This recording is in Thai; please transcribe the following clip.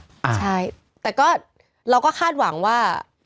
ใช่แต่ก็เราก็คาดหวังว่า